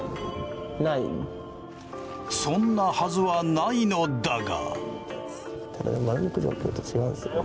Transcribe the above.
そんなはずはないのだが。